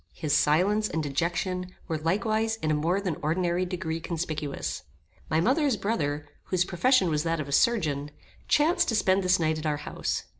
His silence and dejection were likewise in a more than ordinary degree conspicuous. My mother's brother, whose profession was that of a surgeon, chanced to spend this night at our house.